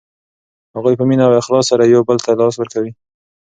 هغوی په مینه او اخلاص سره یو بل ته لاس ورکوي.